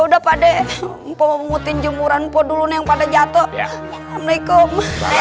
udah pade mpomutin jemuran podulun yang pada jatuh amrikum